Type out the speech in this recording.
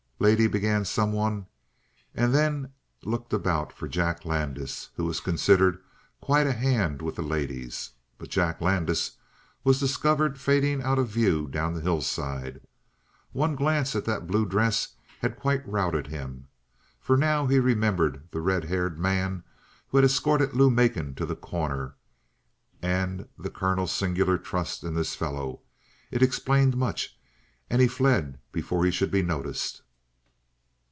"Lady," began someone, and then looked about for Jack Landis, who was considered quite a hand with the ladies. But Jack Landis was discovered fading out of view down the hillside. One glance at that blue dress had quite routed him, for now he remembered the red haired man who had escorted Lou Macon to The Corner and the colonel's singular trust in this fellow. It explained much, and he fled before he should be noticed.